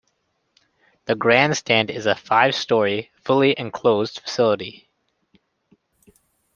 The grandstand is a five-story, fully enclosed facility.